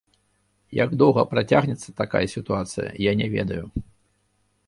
Як доўга працягнецца такая сітуацыя, я не ведаю.